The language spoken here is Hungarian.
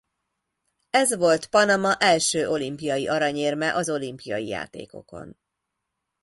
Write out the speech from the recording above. Ez volt Panama első olimpiai aranyérme az olimpiai játékokon.